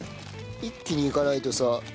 一気にいかないとさ。